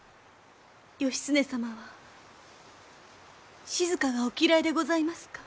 義経様は静がお嫌いでございますか？